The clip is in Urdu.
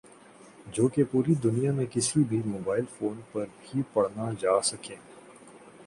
جو کہ پوری دنیا میں کِسی بھی موبائل فون پر بھی پڑھنا جاسکیں